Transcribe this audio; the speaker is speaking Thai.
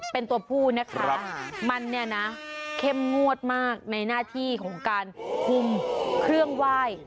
เป็นตัวผู้นะคะมันเนี่ยนะเข้มงวดมากในหน้าที่ของการคุมเครื่องไหว้